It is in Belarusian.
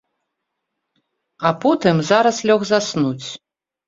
А потым зараз лёг заснуць.